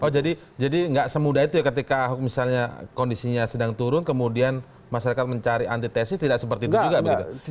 oh jadi nggak semudah itu ya ketika ahok misalnya kondisinya sedang turun kemudian masyarakat mencari antitesis tidak seperti itu juga begitu